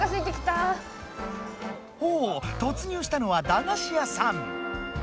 ほうとつ入したのはだがし屋さん。